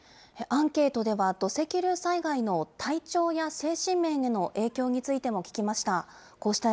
アンケートでは、土石流災害の体調や精神面への影響についても聞きました。